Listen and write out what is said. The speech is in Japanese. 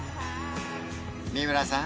三村さん